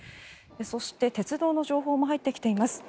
そして、鉄道の情報も入ってきています。